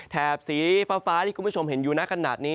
สีฟ้าที่คุณผู้ชมเห็นอยู่นะขนาดนี้